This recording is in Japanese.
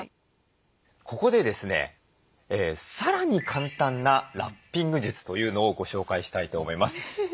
ここでですねさらに簡単なラッピング術というのをご紹介したいと思います。